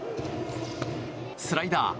スライダー。